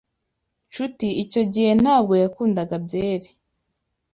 Nshuti icyo gihe ntabwo yakundaga byeri.